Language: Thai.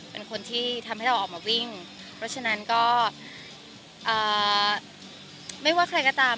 เป็นคนที่ทำให้เราออกมาวิ่งเพราะฉะนั้นก็ไม่ว่าใครก็ตาม